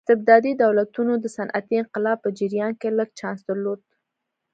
استبدادي دولتونو د صنعتي انقلاب په جریان کې لږ چانس درلود.